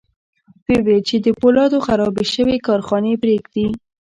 ويې ویل چې د پولادو خرابې شوې کارخانې پرېږدي